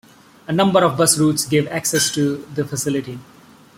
A number of bus routes give access to the facility.